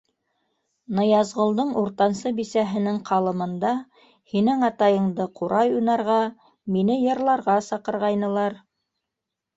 Ныязғолдоң уртансы бисәһенең ҡалымында һинең атайыңды ҡурай уйнарға, мине йырларға саҡырғайнылар.